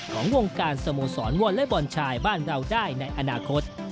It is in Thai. ของวงการสโมสรวอเล็กบอลชายบ้านเราได้ในอนาคต